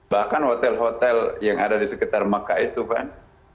bahkan hotel hotel yang ada di sekitar mekah itu kan